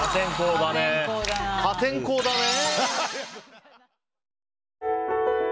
破天荒だね。